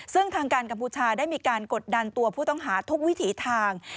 ซึ่งทางการกัมพูชาได้มีการกดดันตัวผู้ต้องหาทุกวิถีทาง